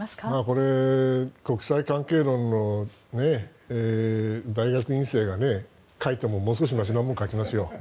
これ、国際関係論の大学院生が書いてももう少しましなもの書きますよ。